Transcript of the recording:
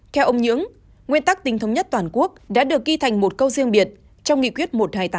theo ông nhưỡng nguyên tắc tính thống nhất toàn quốc đã được ghi thành một câu riêng biệt trong nghị quyết một trăm hai mươi tám